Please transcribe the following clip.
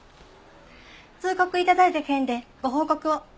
通告頂いた件でご報告を。